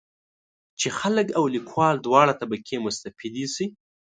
چې خلک او لیکوال دواړه طبقې مستفیدې شي.